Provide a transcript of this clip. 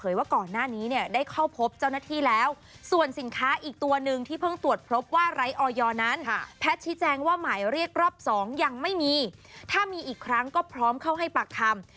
ยังไม่มีถ้ามีอีกครั้งก็พร้อมเข้าให้ปรักคำ